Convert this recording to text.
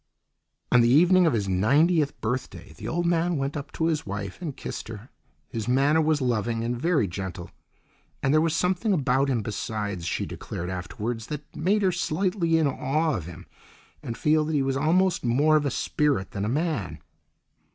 On the evening of his ninetieth birthday the old man went up to his wife and kissed her. His manner was loving, and very gentle, and there was something about him besides, she declared afterwards, that made her slightly in awe of him and feel that he was almost more of a spirit than a man.